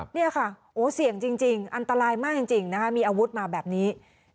นี่ค่ะโอ้เสี่ยงจริงอันตรายมากจริงนะคะมีอาวุธมาแบบนี้